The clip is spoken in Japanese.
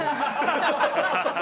◆ハハハハ。